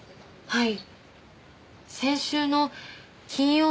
はい。